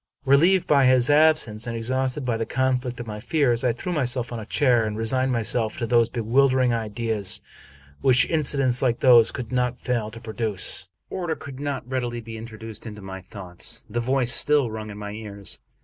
Relieved by his ab sence, and exhausted by the conflict of my fears, I threw myself on a chair, and resigned myself to those bewildering ideas which incidents like these could not fail to produce. V Order could not readily be introduced into my thoughts. The voice still rung in my ears.